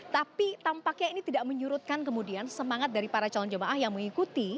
tapi tampaknya ini tidak menyurutkan kemudian semangat dari para calon jemaah yang mengikuti